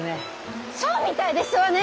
そうみたいですわね。